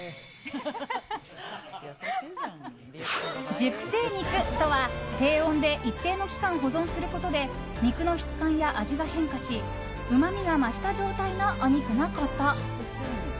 熟成肉とは低温で一定の期間保存することで肉の質感や味が変化しうまみが増した状態のお肉のこと。